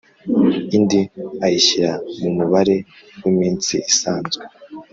indi ayishyira mu mubare w’iminsi isanzwe.